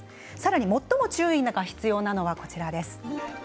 最も注意が必要なのはこちらです。